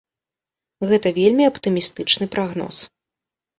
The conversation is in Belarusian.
Гэта вельмі аптымістычны прагноз.